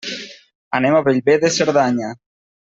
Anem a Bellver de Cerdanya.